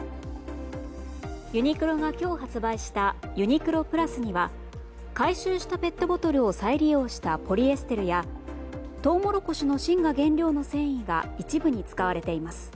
ユニクロが今日発売したＵＮＩＱＬＯ＋には回収したペットボトルを再利用したポリエステルやトウモロコシの芯が原料の繊維が一部に使われています。